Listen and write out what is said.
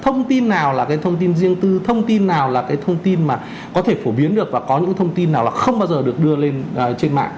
thông tin nào là cái thông tin riêng tư thông tin nào là cái thông tin mà có thể phổ biến được và có những thông tin nào là không bao giờ được đưa lên trên mạng